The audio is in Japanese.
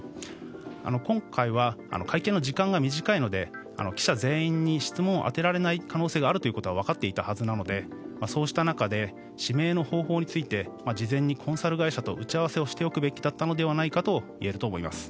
今回は会見の時間が短いので記者全員に質問を当てられない可能性があることは分かっていたはずなのでそうした中で指名方法について事前にコンサル会社と打ち合わせをしておくべきだったのではないかといえると思います。